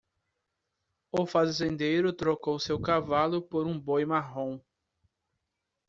O fazendeiro trocou seu cavalo por um boi marrom.